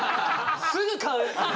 すぐ買う！